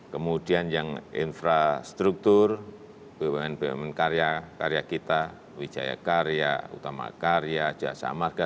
kemudian yang infrastruktur bumn bumn karya karya kita wijaya karya utama karya jasa marga